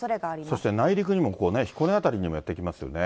そして内陸にも彦根辺りにもやって来ますね。